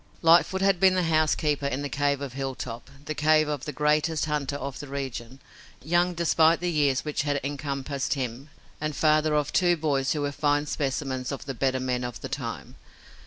Lightfoot had been the housekeeper in the cave of Hilltop, the cave of the greatest hunter of the region, young despite the years which had encompassed him, and father of two boys who were fine specimens of the better men of the time.